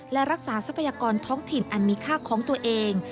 และรักษาทรัพยากรท้องถิ่นอันมีค่าของตัวเอง